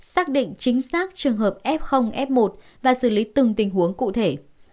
xác định chính xác trường hợp f f một và xử lý từng tình huống cụ thể